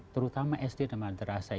terutama sd dan madrasa